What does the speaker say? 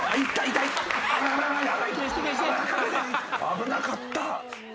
「危なかった。